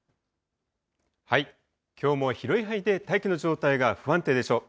きょうも広い範囲で大気の状態が不安定でしょう。